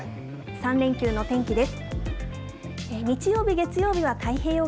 ３連休の天気です。